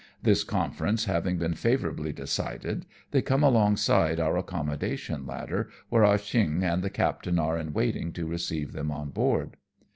This conference having been favourably decided, they come alongside our accommodation ladder, where Ah Cheong and the captain are in waiting to receive them on board.